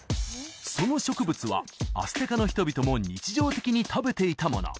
その植物はアステカの人々も日常的に食べていたもの